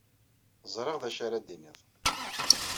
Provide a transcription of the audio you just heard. ẒriƔ dacu ara d-tiniḍ.